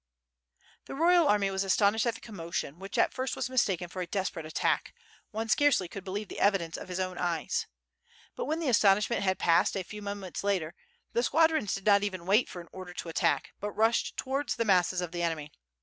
z' The royal army was astonished at the commotion, which at first was mistaken for a desperate attack; one scarcely could believe the evidence of his own eyes. But when the astonishment had passed a few moments later the squadrons did not even wait for an order to attack, but rushed towards the masses of the enemy.